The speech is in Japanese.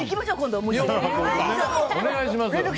ぜひお願いします！